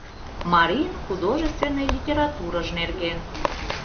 МАРИЙЫН ХУДОЖЕСТВЕННЫЙ ЛИТЕРАТУРЫЖ НЕРГЕН